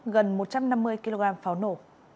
gần một trăm năm mươi kg pháo nổ